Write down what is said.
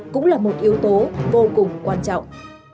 cũng là một yếu tố vô cùng quan trọng